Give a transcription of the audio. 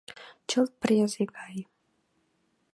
— Чылт презе гай...